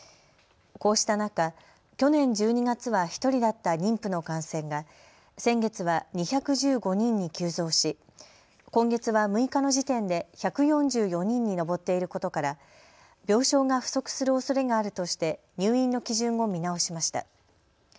こうした中、去年１２月は１人だった妊婦の感染が先月は２１５人に急増し今月は６日の時点で１４４人に上っていることから病床が不足するおそれがあるとして入院の基準を見直しました。